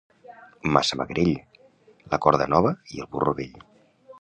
Massamagrell, la corda nova i el burro vell.